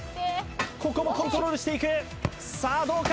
ここもコントロールしていくさあどうか？